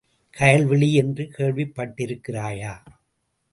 கயல் விழி என்று கேள்விப் பட்டிருக்கிறாயா?